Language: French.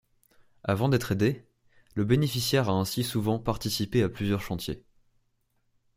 Avant d'être aidé, le bénéficiaire a ainsi souvent participé à plusieurs chantiers.